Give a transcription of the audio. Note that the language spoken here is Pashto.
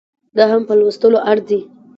دا هم په لوستلو ارزي